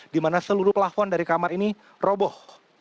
di mana seluruh plafon dari kamar ini roboh